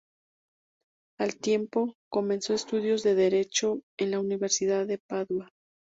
Al tiempo, comenzó estudios de Derecho en la universidad de Padua.